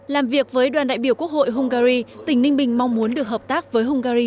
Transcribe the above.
làm việc với đoàn đại biểu quốc hội hungary tỉnh ninh bình mong muốn được hợp tác với hungary